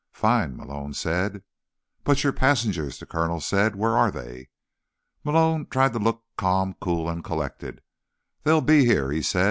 "Fine," Malone said. "But your passengers," the colonel said. "Where are they?" Malone tried to look calm, cool and collected. "They'll be here," he said.